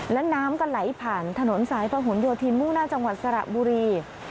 แล้วน้ำก็ไหลผ่านถนนสายพะหนโยธินมุ่งหน้าจังหวัดสระบุรี